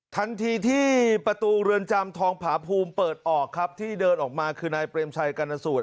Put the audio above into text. ทันทีที่ประตูเรือนจำทองผาภูมิเปิดออกครับที่เดินออกมาคือนายเปรมชัยกรณสูตร